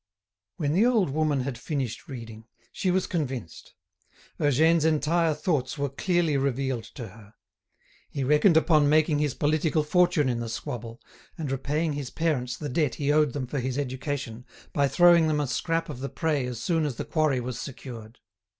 When the old woman had finished reading, she was convinced. Eugène's entire thoughts were clearly revealed to her. He reckoned upon making his political fortune in the squabble, and repaying his parents the debt he owed them for his education, by throwing them a scrap of the prey as soon as the quarry was secured.